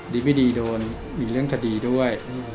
ดีไม่ดีโดนมีเรื่องคดีด้วย